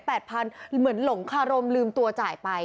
เหมือนหลงคารมลืมตัวจ่ายไป